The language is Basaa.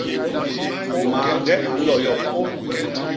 Mañge a nloyop.